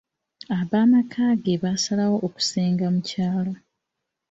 Ab'amaka ge baasalawo okusenga mu kyalo.